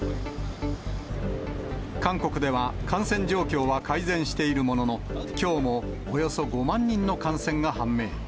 韓国では、感染状況は改善しているものの、きょうもおよそ５万人の感染が判明。